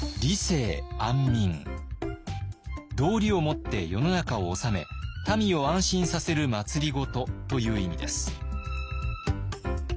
「道理をもって世の中を治め民を安心させる政」という意味です。